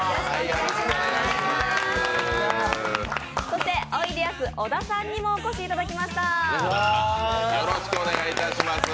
そして、おいでやす小田さんにもお越しいただきました。